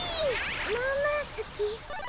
まあまあ好き。